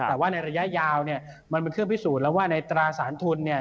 แต่ว่าในระยะยาวเนี่ยมันเป็นเครื่องพิสูจน์แล้วว่าในตราสารทุนเนี่ย